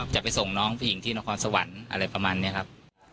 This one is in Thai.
จะไปส่งน้องผู้หญิงที่นครสวรรค์อะไรประมาณนี้ครับ